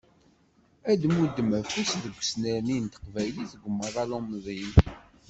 Ad d-mudden afus deg usnerni n teqbaylit deg umaḍal umdin.